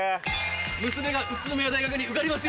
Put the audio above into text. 娘が宇都宮大学に受かりますように。